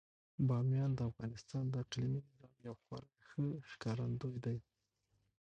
بامیان د افغانستان د اقلیمي نظام یو خورا ښه ښکارندوی دی.